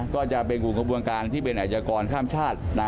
ก็จะเป็นกลุ่มขบวนการที่เป็นอาชกรข้ามชาติ